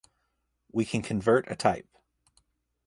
we can convert a type